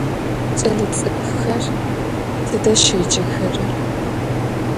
Ç'elets'ık'uxer tıde şêcexera?